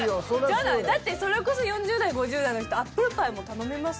だってそれこそ４０代５０代の人アップルパイも頼みます？